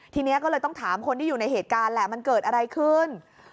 ทีนี้ก็เลยต้องถามคนที่อยู่ในเหตุการณ์แหละมันเกิดอะไรขึ้น